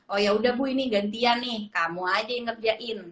oh yaudah bu ini gantian nih kamu aja yang ngerjain